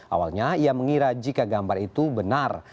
awalnya ia mengira jika gambar itu benar